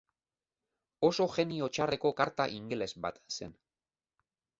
Oso jenio txarreko karta ingeles bat zen.